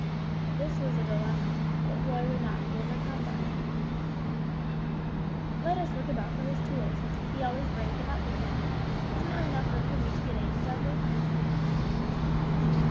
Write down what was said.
This was a dilemma, but Roy would not be overcome by it. "Let us look about for his tools; he always brings them up with him. Isn't there enough room for me to get in, Dudley?"